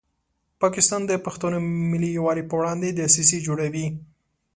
پاکستان د پښتنو ملي یووالي په وړاندې دسیسې جوړوي.